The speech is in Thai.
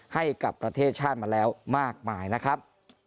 ให้กับประเทศชาติมาแล้วมากมายนะครับ